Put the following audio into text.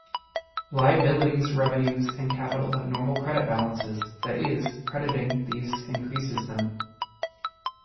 Liabilities, revenues, and capital have normal credit balances, that is, crediting these increases them.